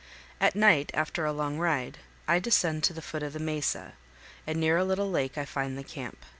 At night, after a long ride, I descend to the foot of the mesa, and near a little lake I find the camp.